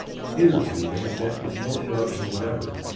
Hitherto they had met with no interruption whatever.